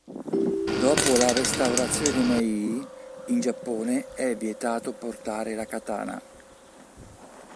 Dopo la restaurazione Meiji, in Giappone è vietato portare la katana.